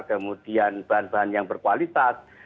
kemudian bahan bahan yang berkualitas